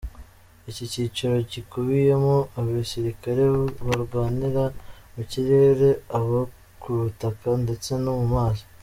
Iki cyiciro gikubiyemo abasirikare barwanira mu kirere, abo ku butaka ndetse no mu mazi.